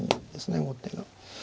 後手が。